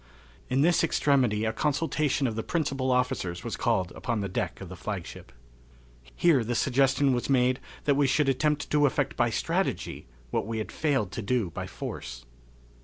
In this extremity a consultation of the principal officers was called upon the deck of the flagship. Here the suggestion was made that we should attempt to effect by strategy what we had failed to do by force.